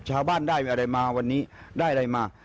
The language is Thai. ชาวบ้านได้อะไรมาวันนี้ได้อะไรมา